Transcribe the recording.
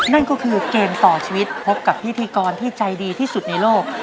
นั่นก็คือเกมต่อชีวิตพบกับพิธีกรที่ใจดีที่สุดในโลก